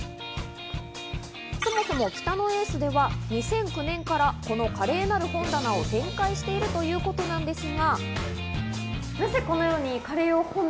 そもそも北野エースでは２００９年からこのカレーなる本棚を展開しているということなんですが。